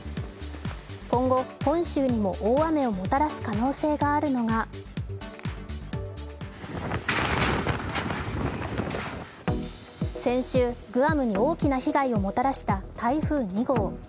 今後本州にも大雨をもたらす可能性があるのが先週、グアムに大きな被害をもたらした、台風２号。